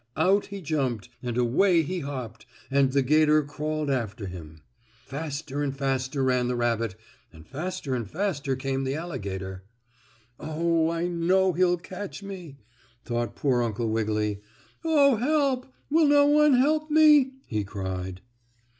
Out he jumped, and away he hopped, and the 'gator crawled after him. Faster and faster ran the rabbit, and faster and faster came the alligator. "Oh, I know he'll catch me!" thought poor Uncle Wiggily. "Oh, help! Will no one help me?" he cried.